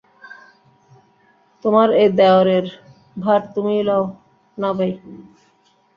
তোমার এই দেওরের ভার তুমিই লও-না, ভাই।